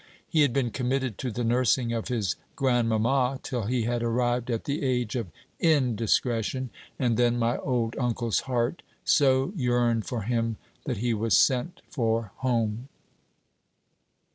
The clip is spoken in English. He had been committed to the nursing of his grandmamma till he had arrived at the age of _in_discretion, and then my old uncle's heart so yearned for him that he was sent for home.